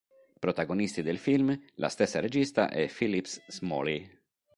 Protagonisti del film, la stessa regista e Phillips Smalley.